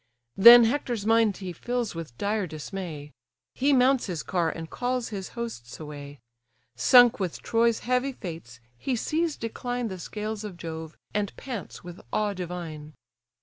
Then Hector's mind he fills with dire dismay; He mounts his car, and calls his hosts away; Sunk with Troy's heavy fates, he sees decline The scales of Jove, and pants with awe divine.